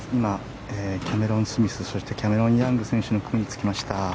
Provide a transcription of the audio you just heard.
今、キャメロン・スミス選手キャメロン・ヤング選手の組に着きました。